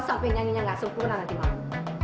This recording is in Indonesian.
kau sampe nyanyinya nggak sempurna nanti malu